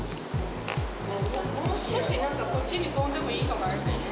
もう少し何かこっちに飛んでもいいかもしれないね